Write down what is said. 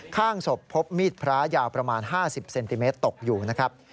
ข้างศพพบมีดพระยาวประมาณ๕๐เซนติเมตรตกอยู่นะครับ